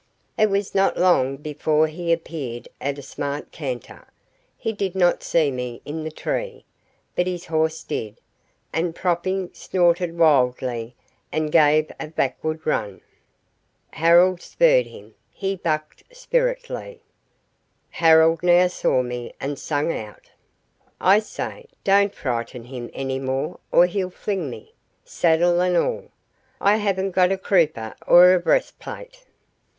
It was not long before he appeared at a smart canter. He did not see me in the tree, but his horse did, and propping, snorted wildly, and gave a backward run. Harold spurred him, he bucked spiritedly. Harold now saw me and sang out: "I say, don't frighten him any more or he'll fling me, saddle and all. I haven't got a crupper or a breastplate."